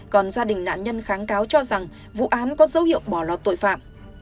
còn gia đình nạn nhân kháng cáo cho rằng vụ án có dấu hiệu bỏ lọt tội phạm